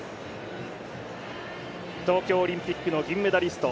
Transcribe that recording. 東京オリンピックの銀メダリスト。